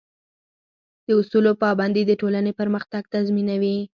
د اصولو پابندي د ټولنې پرمختګ تضمینوي.